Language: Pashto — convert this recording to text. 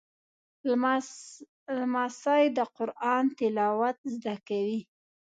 لمسی د قرآن تلاوت زده کوي.